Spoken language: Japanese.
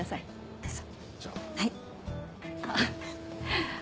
どうぞ。